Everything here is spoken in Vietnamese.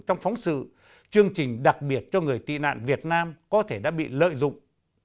trong phóng sự chương trình đặc biệt cho người tị nạn việt nam có thể đã bị lợi dụng